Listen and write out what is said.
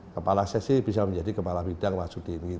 kepala sesi bisa menjadi kepala bidang masudin